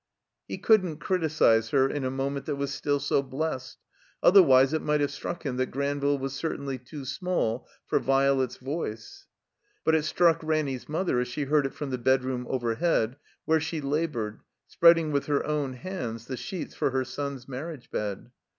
He couldn't criticize her in a moment that was still so blessed; otherwise it might have struck him that Granville was certainly too small for Violet's voice. But it struck Ranny's mother as she heard it from the bedroom overhead, where she labored, spreading with her own hands the sheets for her son's mar riage bed.